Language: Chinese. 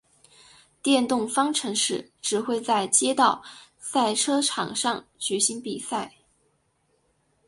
电动方程式只会在街道赛车场上举行比赛。